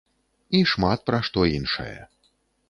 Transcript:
І шмат пра што іншае.